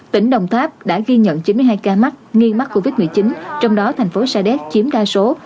tỉnh đồng tháp đã ghi nhận chín mươi hai ca mắc nghi mắc covid một mươi chín trong đó thành phố sa đéc chiếm đa số